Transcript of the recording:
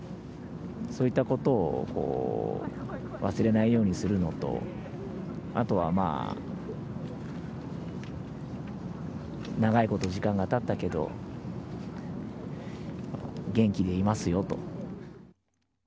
そういったことを忘れないようにするのと、あとは、長いこと時間がたったけど、元気でいますよと。